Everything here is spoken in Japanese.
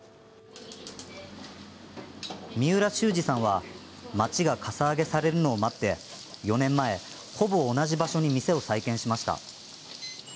三浦秀次さんは町が、かさ上げされるのを待って４年前、ほぼ同じ場所に店を再建しました。